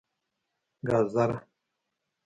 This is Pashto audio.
🥕 ګازره